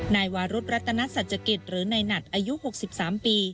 นายวารุธรัตนสัจจกิตหรือในหนัดอายุหกสิบสามปี